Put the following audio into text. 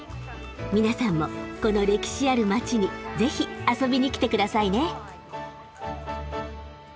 皆さんもこの歴史ある街にぜひ遊びに来てくださいね！